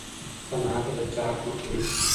په ناحقه د چا حق مه خورئ.